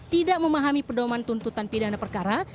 tidak memahami pedoman tuntutan pidana perkara